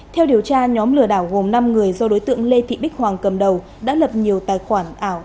theo điều tra nhóm lừa đảo gồm năm người do đối tượng lê thị bích hoàng cầm đầu đã lập nhiều tài khoản ảo